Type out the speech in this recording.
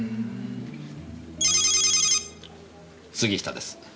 杉下です。